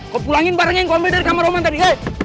kok pulangin barangnya yang kau ambil dari kamar roman tadi